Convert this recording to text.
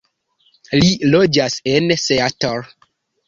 Li loĝas en Seattle.